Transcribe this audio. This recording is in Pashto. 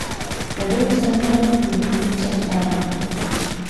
له ډېرو سره مینه وکړئ، او پر هيچا اعتبار مه کوئ!